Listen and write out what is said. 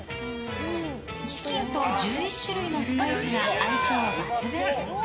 チキンと１１種類のスパイスが相性抜群。